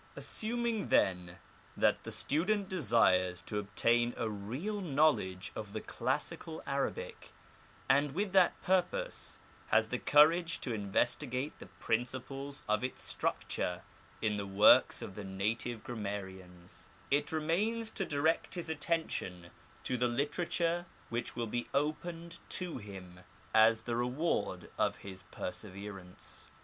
Assuming then that the student desires to obtain a real knowledge of the classical Arabic, and with that purpose has the courage to investigate the principles of its structure in the 18 The Arabic Language. works of the native grammarians, it remains to direct his attention to the literature which will be opened to him as the reward of his perseverance.